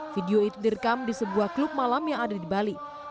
video itu direkam di sebuah klub malam yang ada di bali